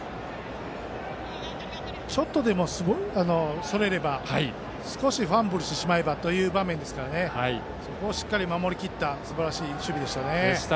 ちょっとでもそれれば少しファンブルしてしまえばという場面なのでそこをしっかり守りきったすばらしい守備でした。